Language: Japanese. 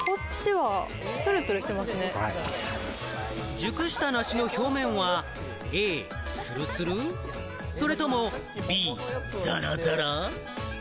熟した梨の表面はＡ・ツルツル、それともＢ・ザラザラ？